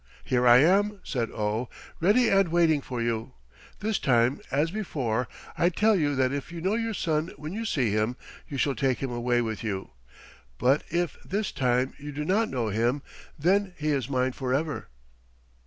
"Here I am," said Oh, "ready and waiting for you. This time, as before, I tell you that if you know your son when you see him you shall take him away with you, but if, this time, you do not know him, then he is mine forever."